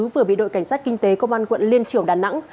vừa bị đội cảnh sát kinh tế công an quận liên triều đà nẵng